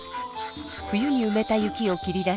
冬にうめた雪を切り出し。